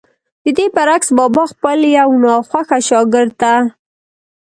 ددې برعکس بابا خپل يو ناخوښه شاګرد ته